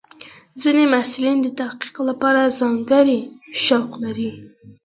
ځینې محصلین د تحقیق لپاره ځانګړي شوق لري.